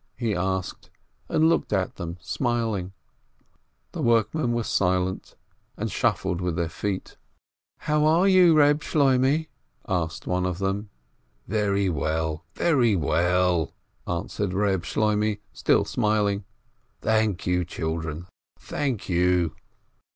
he asked, and looked at them smiling. The workmen were silent, and shuffled with their feet. "How are you, Reb Shloimeh ?" asked one of them. "Very well, very well," answered Reb Shloimeh, still smiling. "Thank you, children ! Thank you